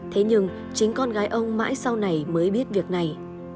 thế nhưng chính con gái ông mãi sau này mới biết việc này